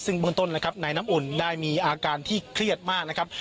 ซึ่งเบื้องต้นนะครับนายน้ำอุ่นได้มีอาการที่เครียดมากนะครับ